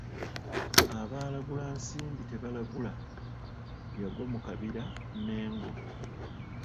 Abaalagula Nsimbi tebaalagula, Yagwa mu Kabira Mmengo.